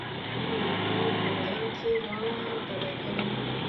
نو عام ملايان ترې يا ډډه کوي